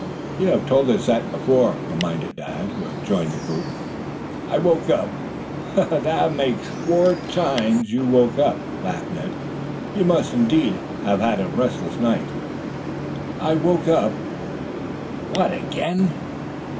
"You have told us that before," reminded Dad, who had joined the group. "I woke up " "That makes four times you woke up," laughed Ned. "You must, indeed, have had a restless night." "I woke up " "What again?"